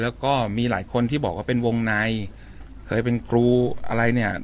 แล้วก็มีหลายคนที่บอกว่าเป็นวงในเคยเป็นครูอะไรเนี่ย